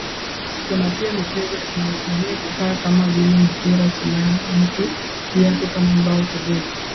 Kuna pia michezo inayotumia vifaa kama vile mipira silaha viatu na mbao telezi